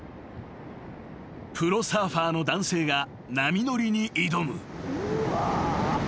［プロサーファーの男性が波乗りに挑む］